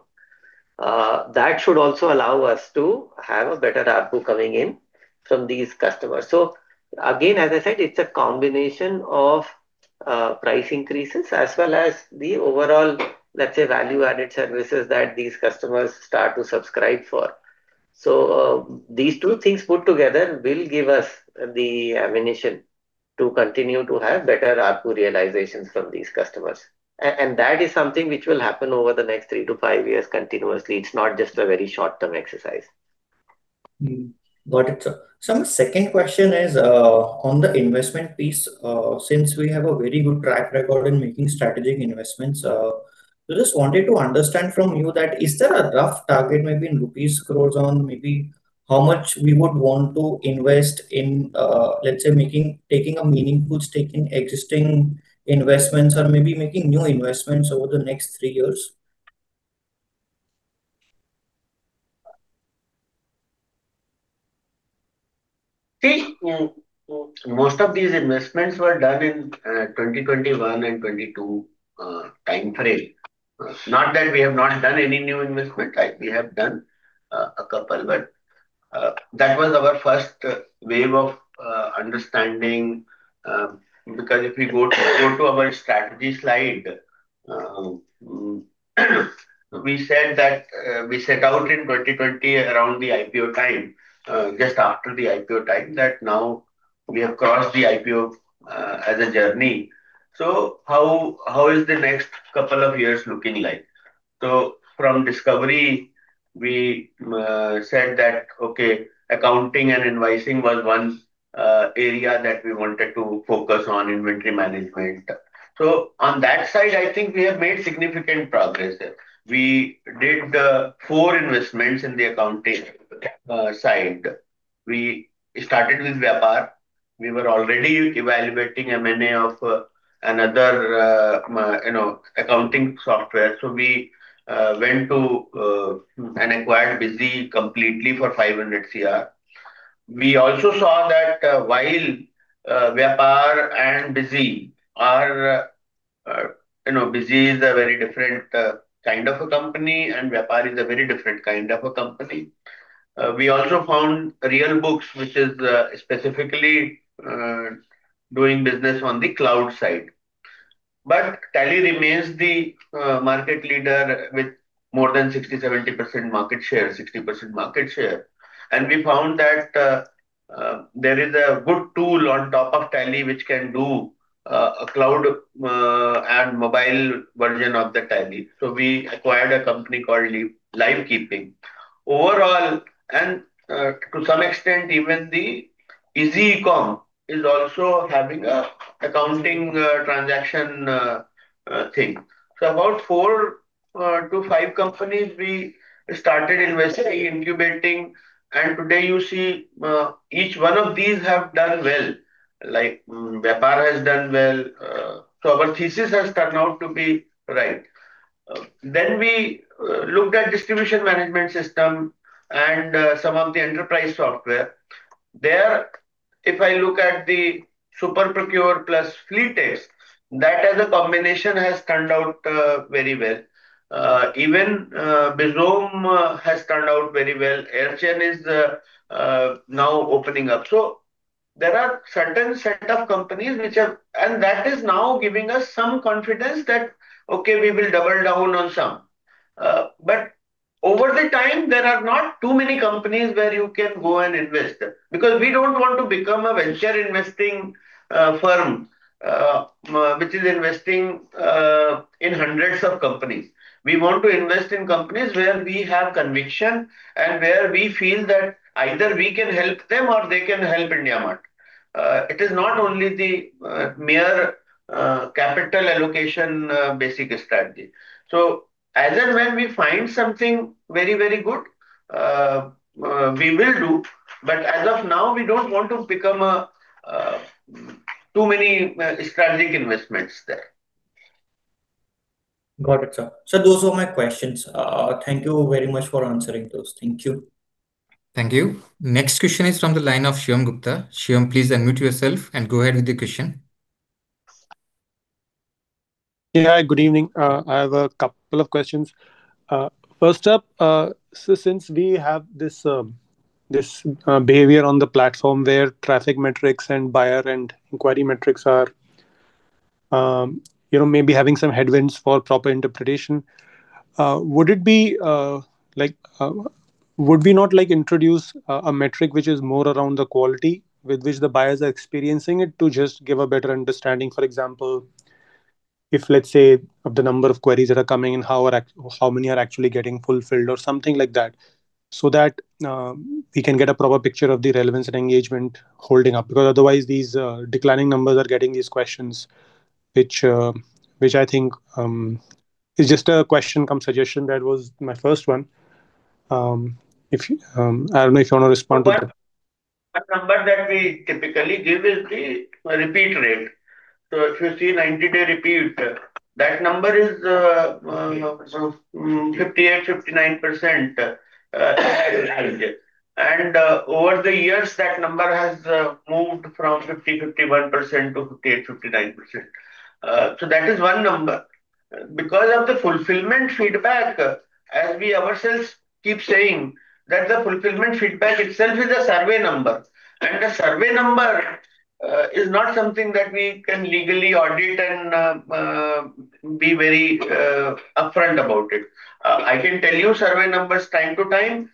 That should also allow us to have a better ARPU coming in from these customers. Again, as I said, it's a combination of price increases as well as the overall, let's say, value-added services that these customers start to subscribe for. These two things put together will give us the ammunition to continue to have better ARPU realizations from these customers. That is something which will happen over the next three to five years continuously. It's not just a very short-term exercise. Got it, sir. Sir, my second question is on the investment piece. Since we have a very good track record in making strategic investments, just wanted to understand from you that, is there a rough target, maybe in rupees crore on maybe how much we would want to invest in, let's say, taking a meaningful stake in existing investments or maybe making new investments over the next three years? Most of these investments were done in 2021 and 2022 time frame. Not that we have not done any new investment. We have done a couple, but that was our first wave of understanding. If we go to our strategy slide, we said that we set out in 2020 around the IPO time, just after the IPO time, that now we have crossed the IPO as a journey. How is the next couple of years looking like? From discovery, we said that, okay, accounting and invoicing was one area that we wanted to focus on, inventory management. On that side, I think we have made significant progress there. We did four investments in the accounting side. We started with Vyapar. We were already evaluating M&A of another accounting software. We went to and acquired BUSY completely for 500 crore. We also saw that while Vyapar and BUSY is a very different kind of a company, and Vyapar is a very different kind of a company. We also found RealBooks, which is specifically doing business on the cloud side. Tally remains the market leader with more than 60%, 70% market share. We found that there is a good tool on top of Tally which can do a cloud and mobile version of the Tally. We acquired a company called Livekeeping. Overall, to some extent even the EasyEcom is also having a accounting transaction thing. About four to five companies we started investing, incubating, and today you see each one of these have done well. Vyapar has done well. Our thesis has turned out to be right. We looked at distribution management system and some of the enterprise software. There, if I look at the SuperProcure plus Fleetx, that as a combination has turned out very well. Even Bizom has turned out very well. Aerchain is now opening up. There are certain set of companies that is now giving us some confidence that, okay, we will double down on some. Over the time, there are not too many companies where you can go and invest them. Because we don't want to become a venture investing firm which is investing in hundreds of companies. We want to invest in companies where we have conviction and where we feel that either we can help them or they can help IndiaMART. It is not only the mere capital allocation basic strategy. As and when we find something very good, we will do. As of now, we don't want to become too many strategic investments there. Got it, sir. Sir, those were my questions. Thank you very much for answering those. Thank you. Thank you. Next question is from the line of Shivam Gupta. Shivam, please unmute yourself and go ahead with your question. Yeah. Good evening. I have a couple of questions. First up, since we have this behavior on the platform where traffic metrics and buyer and inquiry metrics are maybe having some headwinds for proper interpretation. Would we not introduce a metric which is more around the quality with which the buyers are experiencing it to just give a better understanding? For example, if let's say, of the number of queries that are coming in, how many are actually getting fulfilled or something like that, so that we can get a proper picture of the relevance and engagement holding up. Otherwise, these declining numbers are getting these questions, which I think is just a question cum suggestion. That was my first one. I don't know if you want to respond to that. One number that we typically give is the repeat rate. If you see 90-day repeat, that number is 58%, 59% as of now. Over the years, that number has moved from 50%, 51% to 58%, 59%. That is one number. Of the fulfillment feedback, as we ourselves keep saying, that the fulfillment feedback itself is a survey number. A survey number is not something that we can legally audit and be very upfront about it. I can tell you survey numbers time to time.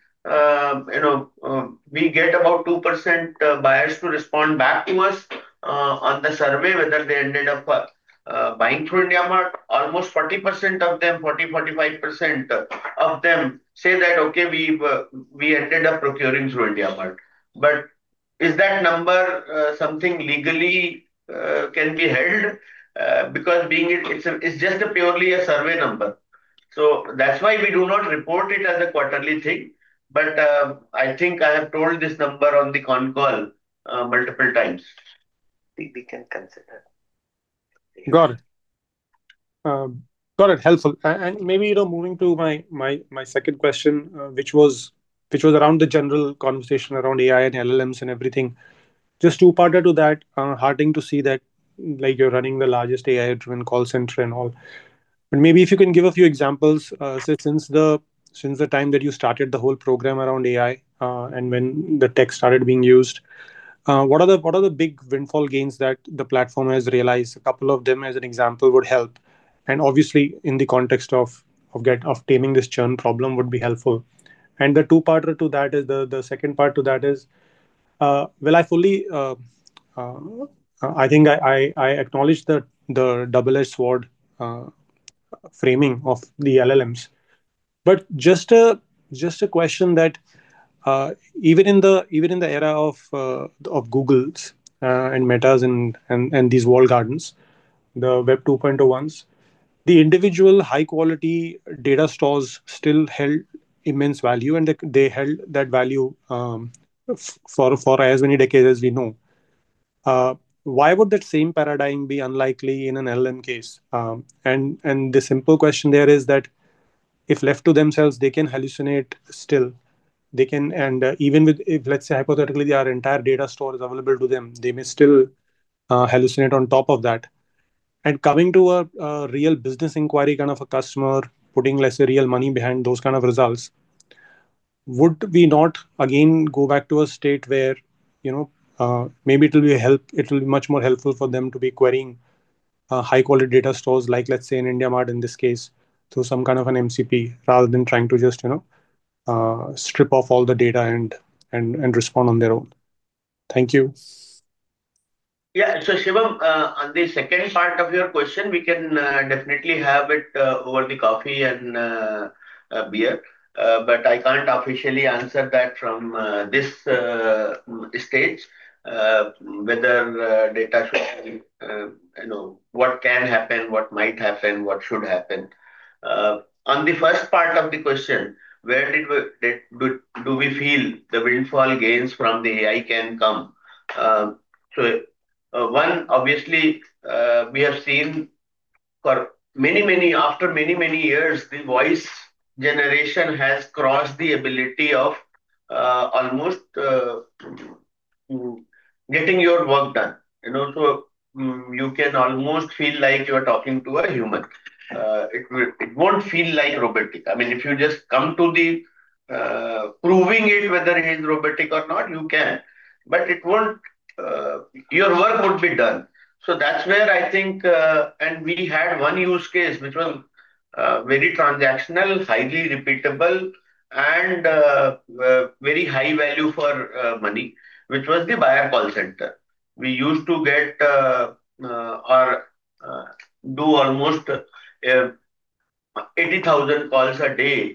We get about 2% buyers to respond back to us on the survey, whether they ended up buying through IndiaMART. Almost 40% of them, 40%, 45% of them say that, "Okay, we ended up procuring through IndiaMART." Is that number something legally can be held? It's just a purely a survey number. That's why we do not report it as a quarterly thing. I think I have told this number on the con call multiple times. We can consider. Got it. Helpful. Maybe, moving to my second question, which was around the general conversation around AI and LLMs and everything. Just two-parter to that. Heartening to see that you're running the largest AI-driven call center and all. Maybe if you can give a few examples. Since the time that you started the whole program around AI, and when the tech started being used, what are the big windfall gains that the platform has realized? A couple of them as an example would help. Obviously, in the context of taming this churn problem would be helpful. The two-parter to that is, the second part to that is, I think I acknowledge the double-edged sword framing of the LLMs. Just a question that even in the era of Google and Meta and these walled gardens, the Web 2.0 ones, the individual high-quality data stores still held immense value, and they held that value for as many decades as we know. Why would that same paradigm be unlikely in an LLM case? The simple question there is that if left to themselves, they can hallucinate still. Even with, let's say hypothetically, our entire data store is available to them, they may still hallucinate on top of that. Coming to a real business inquiry, kind of a customer putting, let's say, real money behind those kind of results, would we not again go back to a state where maybe it will be much more helpful for them to be querying high-quality data stores, like let's say in IndiaMART in this case, through some kind of an MCP rather than trying to just strip off all the data and respond on their own. Thank you. Yeah. Shivam, on the second part of your question, we can definitely have it over the coffee and beer. I can't officially answer that from this stage, whether data should be- What can happen, what might happen, what should happen. On the first part of the question, where do we feel the windfall gains from the AI can come? One, obviously, we have seen after many, many years, the voice generation has crossed the ability of almost getting your work done. You can almost feel like you're talking to a human. It won't feel robotic. If you just come to proving it, whether it is robotic or not, you can. Your work would be done. That's where I think we had one use case, which was very transactional, highly repeatable, and very high value for money, which was the buyer call center. We used to get or do almost 80,000 calls a day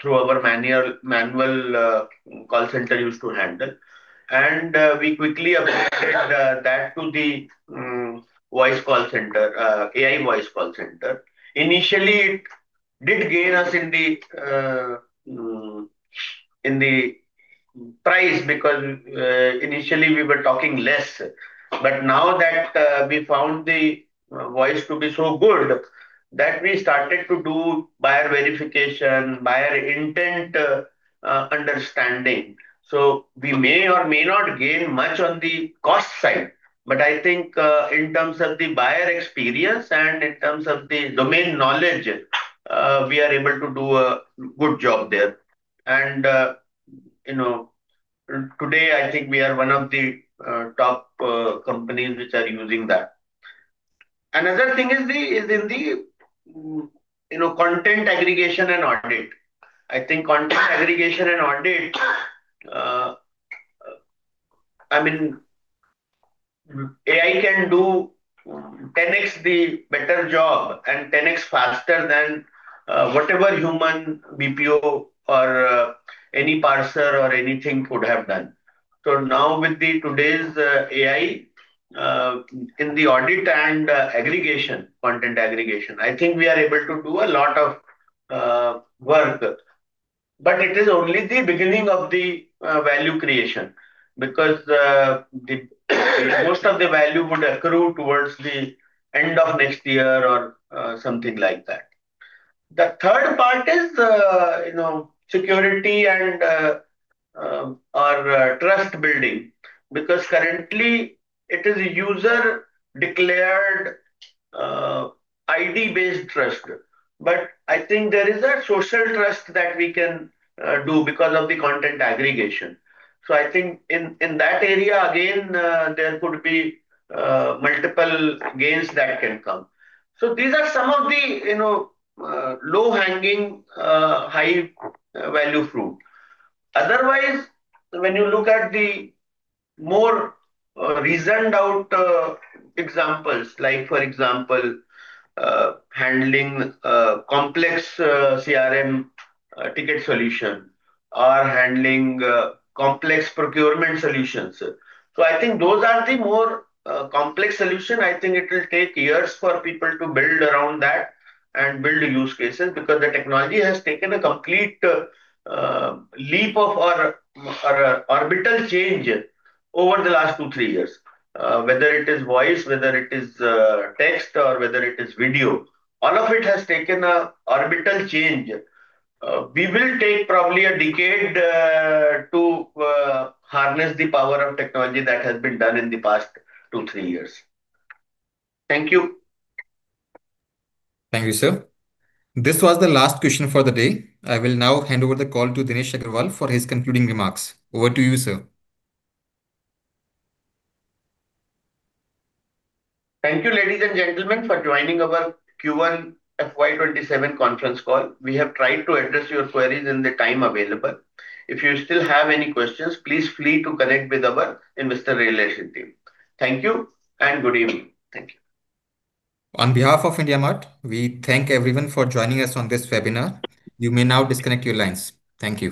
through our manual call center used to handle. We quickly upgraded that to the AI voice call center. Initially, it did gain us in the price because initially we were talking less. Now that we found the voice to be so good, that we started to do buyer verification, buyer intent understanding. We may or may not gain much on the cost side, but I think in terms of the buyer experience and in terms of the domain knowledge, we are able to do a good job there. Today, I think we are one of the top companies which are using that. Another thing is in the content aggregation and audit. I think content aggregation and audit, AI can do 10x better job and 10x faster than whatever human BPO or any parser or anything could have done. Now with today's AI, in the audit and content aggregation, I think we are able to do a lot of work. It is only the beginning of the value creation, because most of the value would accrue towards the end of next year or something like that. The third part is security and/or trust building. Currently it is a user-declared ID-based trust. I think there is a social trust that we can do because of the content aggregation. I think in that area again, there could be multiple gains that can come. These are some of the low-hanging, high value fruit. Otherwise, when you look at the more reasoned-out examples, like for example, handling complex CRM ticket solution or handling complex procurement solutions. I think those are the more complex solution. I think it will take years for people to build around that and build use cases, because the technology has taken a complete leap of an orbital change over the last two, three years. Whether it is voice, whether it is text, or whether it is video, all of it has taken an orbital change. We will take probably a decade to harness the power of technology that has been done in the past two, three years. Thank you. Thank you, sir. This was the last question for the day. I will now hand over the call to Dinesh Agarwal for his concluding remarks. Over to you, sir. Thank you, ladies and gentlemen, for joining our Q1 FY 2027 conference call. We have tried to address your queries in the time available. If you still have any questions, please feel free to connect with our investor relation team. Thank you, and good evening. Thank you. On behalf of IndiaMART, we thank everyone for joining us on this webinar. You may now disconnect your lines. Thank you.